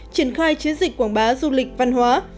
triển khai chiến dịch quảng bá du lịch văn hóa